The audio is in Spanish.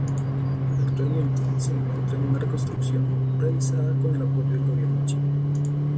Actualmente se encuentra en una reconstrucción realizada con el apoyo del gobierno chino.